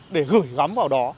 để gửi gắm